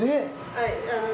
はい。